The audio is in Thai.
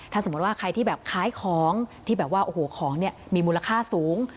ถ้าสมมติว่าใครที่แบบค้ายของที่แบบว่าของมีมูลค่าสูง